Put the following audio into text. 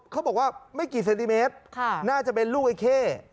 เขาบอกว่าไม่กี่เซนติเมตรน่าจะเป็นลูกไอ้เข้